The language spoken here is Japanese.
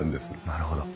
なるほど。